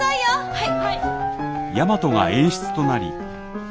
はい。